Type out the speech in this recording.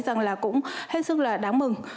rằng là cũng hết sức là đáng mừng